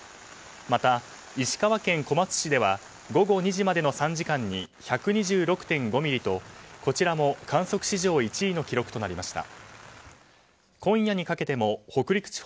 また、石川県小松市では午後２時までの３時間に１２６．５ミリとこちらも観測史上１位の記録となりました。